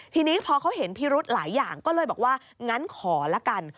ทีนี้พอเขาเห็นพิรุธหลายอย่างก็เลยบอกว่างั้นขอละกัน